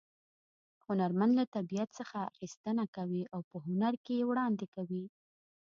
هنرمن له طبیعت څخه اخیستنه کوي او په هنر کې یې وړاندې کوي